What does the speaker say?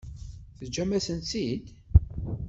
Teǧǧam-asen-tt-id?